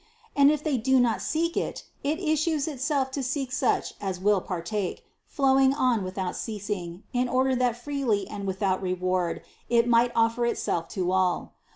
And if they do not seek it, it issues itself to seek such as will partake, flowing on without ceasing, in order that freely and without reward it might offer itself to all.